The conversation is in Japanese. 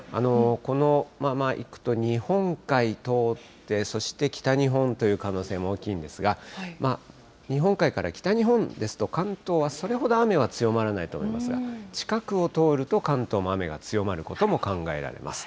このままいくと、日本海通って、そして北日本という可能性も大きいんですが、日本海から北日本ですと、関東はそれほど雨は強まらないと思いますが、近くを通ると関東も雨が強まることも考えられます。